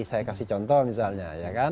saya kasih contoh misalnya